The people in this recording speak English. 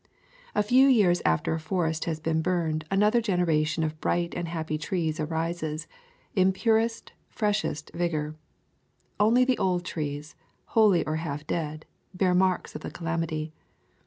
A few years after a forest has been burned another generation of bright and happy trees arises, in purest, freshest vigor; only the old trees, wholly or half dead, bear marks of the calamity.